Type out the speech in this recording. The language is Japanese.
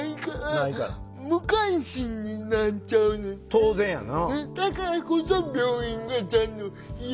当然やな。